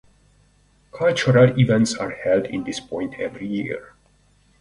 Cultural events are held in this point every year.